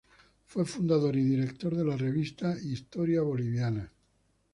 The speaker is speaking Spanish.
Fue fundador y director de la Revista Historia Boliviana.